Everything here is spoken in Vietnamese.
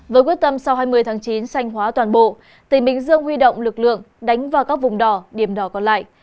với quyết tâm sau hai mươi chín hai nghìn hai mươi một sanh hóa toàn bộ tỉnh bình dương huy động lực lượng đánh vào các vùng đỏ điểm đỏ còn lại